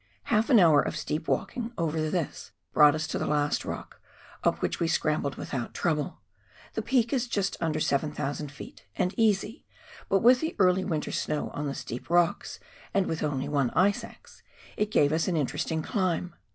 Half an hour of steep walking over this brought us to the last rock, up which we scrambled without trouble. The peak is just under 7,000 ft., and easy, but with the early winter snow on the steep rocks, and only one ice axe, it gave us an interesting climb.